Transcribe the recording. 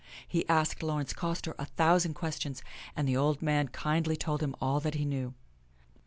He asked Laurence Coster a thousand questions, and the old man kindly told him all that he knew.